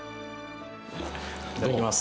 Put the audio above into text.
いただきます。